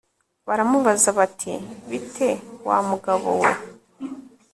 baramubaza bati bite wa mugabo bo we